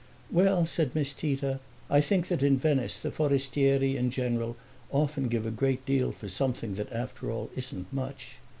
"Well," said Miss Tita, "I think that in Venice the forestieri, in general, often give a great deal for something that after all isn't much."